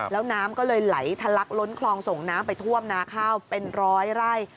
แล้วน้ำก็เลยไหลทะลักล้นคลองส่งน้ำไปท่วมนาข้าวเป็นร้อยไร่